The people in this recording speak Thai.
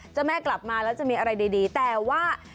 เจ้าแม่กลับมาแล้วจะมีอะไรดีแต่ว่า